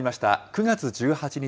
９月１８日